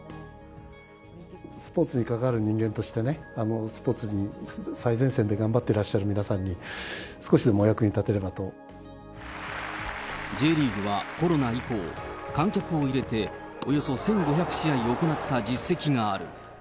スポーツに関わる人間としてね、スポーツの最前線で頑張っていらっしゃる皆さんに、少しでもお役Ｊリーグはコロナ以降、観客を入れて、およそ１５００試合行った実績がある。